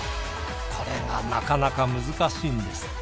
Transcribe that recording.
これがなかなか難しいんです。